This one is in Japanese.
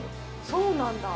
「そうなんだ」